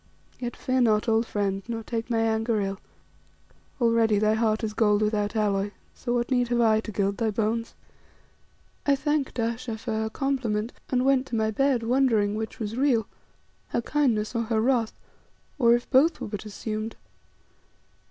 Yet fear not, old friend, nor take my anger ill. Already thy heart is gold without alloy, so what need have I to gild thy bones?" I thanked Ayesha for her compliment, and went to my bed wondering which was real, her kindness or her wrath, or if both were but assumed.